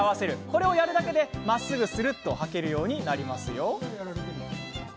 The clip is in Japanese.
これをやるだけでまっすぐ、するっとはけるようになりますよ。